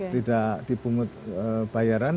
tidak dipungut bayaran